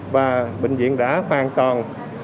và bệnh viện đã hoàn toàn